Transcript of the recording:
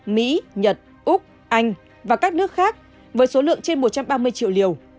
mỹ nhật úc anh và các nước khác với số lượng trên một trăm ba mươi triệu liều